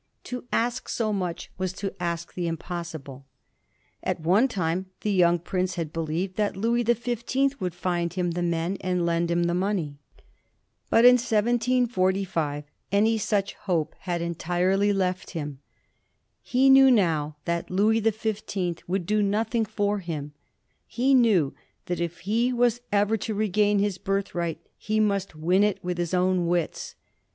To ask so much was to ask the impossible. 204 A HISTORY OF THE FOUR GEORGES. caxxxir. At one time the young prince had believed that Louis the Fifteenth would find him the men and lend him the money, but in 1745 any such hope had entirely left him. He knew now that Louis the Fifteenth would do nothing for him ; he knew that if he was ever to regain his birth right he must win it with his own wits.